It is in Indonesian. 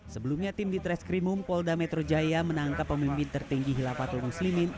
sebelumnya tim di treskrimum polda metro jaya menangkap pemimpin tertinggi hilafatul muslimin